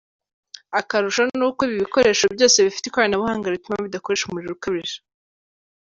Akarusho nuko ibi bikoresho byose bifite ikoranabuhanga rituma bidakoresha umuriro ukabije .